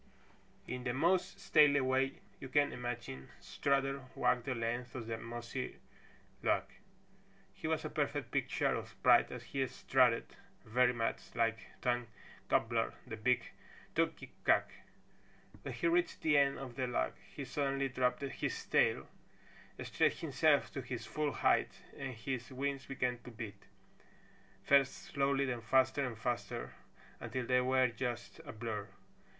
In the most stately way you can imagine Strutter walked the length of that mossy log. He was a perfect picture of pride as he strutted very much like Tom Gobbler the big Turkey cock. When he reached the end of the log he suddenly dropped his tail, stretched himself to his full height and his wings began to beat, first slowly then faster and faster, until they were just a blur.